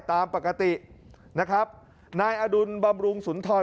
ตามปกตินะครับนายอดุลบำรุงสุนทร